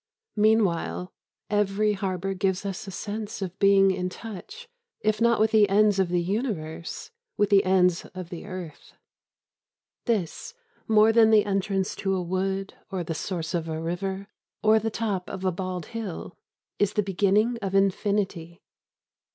Meanwhile, every harbour gives us a sense of being in touch, if not with the ends of the universe, with the ends of the earth. This, more than the entrance to a wood or the source of a river or the top of a bald hill, is the beginning of infinity.